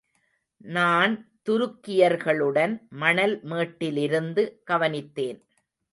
நான் துருக்கியர்களுடன், மணல் மேட்டிலிருந்து கவனித்தேன்.